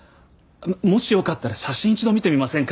もしよかったら写真一度見てみませんか？